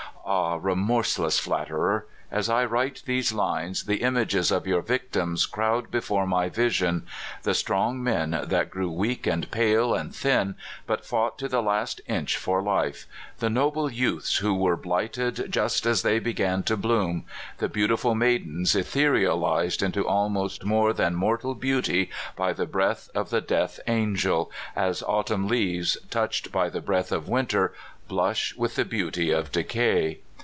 Ah, remorseless flatterer! as I write these lines, the images of your victims crowd before my vis ion : the strong men that grew weak and pale and thin, but fought to the last inch for life; the noble youths who were blighted just as they be gan to bloom ; the beautiful maidens etherealized into almost more than mortal beauty by the breath of the death angel, as autumn leaves, touched by the breath of winter, blush with the beauty of de cay.